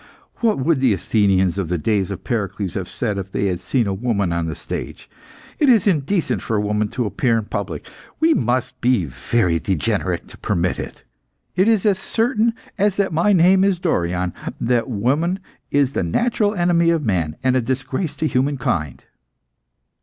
What would the Athenians of the days of Pericles have said if they had seen a woman on the stage? It is indecent for a woman to appear in public. We must be very degenerate to permit it. It is as certain as that my name is Dorion, that woman is the natural enemy of man, and a disgrace to human kind."